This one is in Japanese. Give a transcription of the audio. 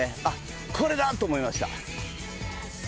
あっこれだと思いました。